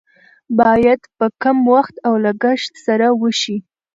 باید په کم وخت او لګښت سره وشي.